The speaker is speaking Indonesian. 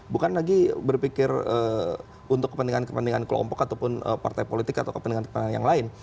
bukan lagi berpikir untuk kepentingan kepentingan kelompok ataupun partai politik atau kepentingan kepentingan yang lain